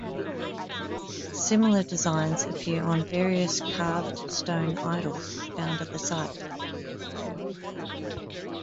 Similar designs appear on various carved stone idols found at the site.